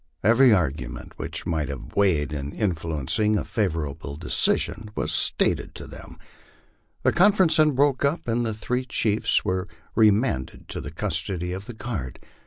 Every argument which might have weight in influencing a favorable decision was stated to them. The conference then broke up, and the three chiefs were remanded to the custody MY LIFE OX THE PLAINS. 249 of the guard.